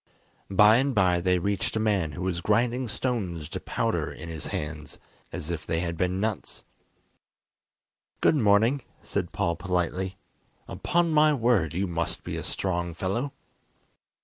By and by they reached a man who was grinding stones to powder in his hands, as if they had been nuts. "Good morning," said Paul politely; "upon my word, you must be a strong fellow!"